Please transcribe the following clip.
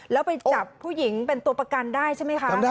แล้วไปจับผู้หญิงเป็นตัวประกันได้ใช่ไหมคะ